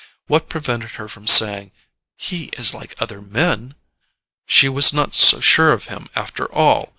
What prevented her from saying: "He is like other men?" She was not so sure of him, after all!